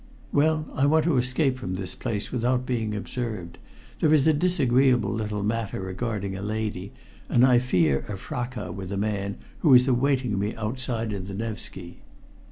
"Well, I want to escape from this place without being observed. There is a disagreeable little matter regarding a lady, and I fear a fracas with a man who is awaiting me outside in the Nevski."